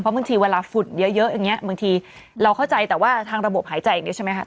บางทีเวลาฝุ่นเยอะอย่างนี้บางทีเราเข้าใจแต่ว่าทางระบบหายใจอย่างนี้ใช่ไหมคะ